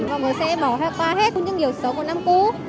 mọi người sẽ bỏ qua hết những điều xấu của năm cũ